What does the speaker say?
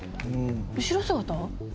後ろ姿？